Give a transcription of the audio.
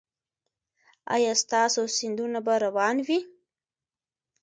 ایا ستاسو سیندونه به روان وي؟